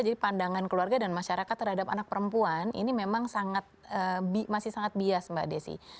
jadi pandangan keluarga dan masyarakat terhadap anak perempuan ini memang masih sangat bias mbak desi